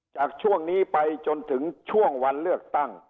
จากช่วงนี้ไปจนถึงช่วงวันเลือกตั้ง